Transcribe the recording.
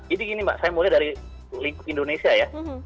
jadi gini mbak saya mulai dari lingkup indonesia ya